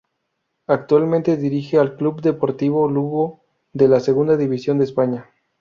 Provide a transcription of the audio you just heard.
Actualmente dirige al Club Deportivo Lugo de la Segunda División de España.